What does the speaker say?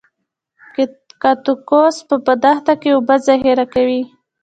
کاکتوس په دښته کې اوبه ذخیره کوي